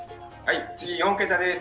次４桁です。